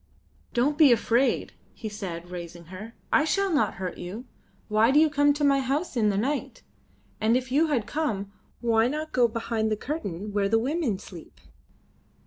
"Don't be afraid," he said, raising her. "I shall not hurt you. Why do you come to my house in the night? And if you had to come, why not go behind the curtain where the women sleep?"